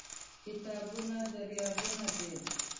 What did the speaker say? کتابونه دریابونه دي.